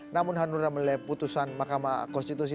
namun hanura menilai putusan mahkamah konstitusi